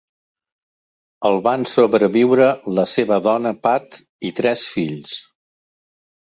El van sobreviure la seva dona, Pat, i tres fills.